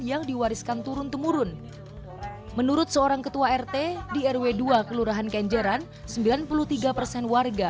yang diwariskan turun temurun menurut seorang ketua rt di rw dua kelurahan kenjeran sembilan puluh tiga persen warga